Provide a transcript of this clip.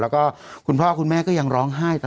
แล้วก็คุณพ่อคุณแม่ก็ยังร้องไห้ต่อ